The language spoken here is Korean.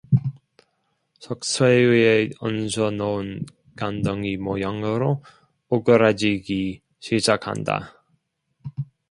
석쇠 위에 얹어 놓은 간덩이 모양으로 오그라지기 시작한다.